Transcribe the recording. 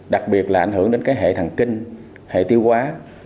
đặc biệt là ảnh hưởng đến cái hệ thần kinh hệ tiêu quá